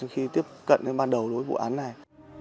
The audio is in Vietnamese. khi tiếp cận bắt đầu với vụ án này